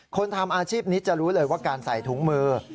ทำอาชีพนี้จะรู้เลยว่าการใส่ถุงมือ